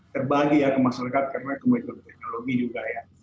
terbagi ya ke masyarakat karena kebutuhan teknologi juga ya